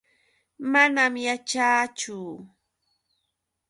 Manam yaćhaachu.